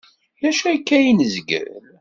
D acu akka ay nezgel?